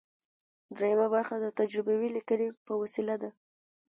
دریمه برخه د تجربوي لیکنې په وسیله ده.